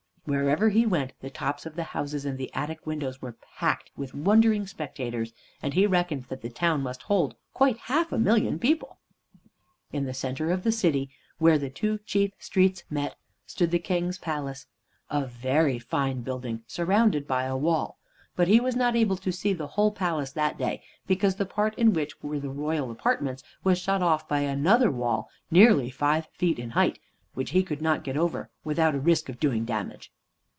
Wherever he went, the tops of the houses and the attic windows were packed with wondering spectators, and he reckoned that the town must hold quite half a million of people. In the center of the city, where the two chief streets met, stood the King's Palace, a very fine building surrounded by a wall. But he was not able to see the whole palace that day, because the part in which were the royal apartments was shut off by another wall nearly five feet in height, which he could not get over without a risk of doing damage.